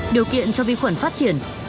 điều kiện cho vi khuẩn phát triển